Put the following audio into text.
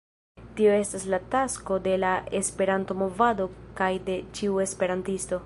Tio estas la tasko de la Esperanto-movado kaj de ĉiu esperantisto.